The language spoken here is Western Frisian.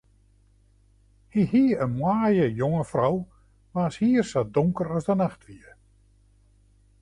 Hy hie in moaie, jonge frou waans hier sa donker as de nacht wie.